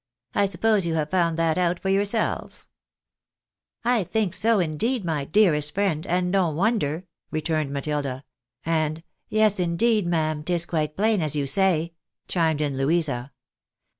I suppose you have found that out for yourselves ?"" I think so, indeed, my dearest friend, and no wonder," re turned Matilda ; and, " Yes, indeed, ma'am, 'tis quite plain, as you say," chimed in Louisa.